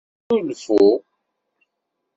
Snulfu.